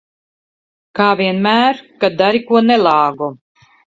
Kā vienmēr, kad dari ko nelāgu.